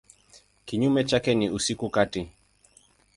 Kinyume chake ni usiku kati.